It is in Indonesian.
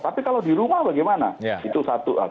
tapi kalau di rumah bagaimana itu satu